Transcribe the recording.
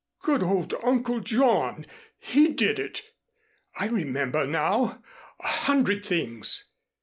"Good old Uncle John! He did it. I remember now a hundred things."